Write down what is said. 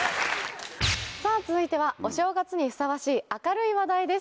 さぁ続いてはお正月にふさわしい明るい話題です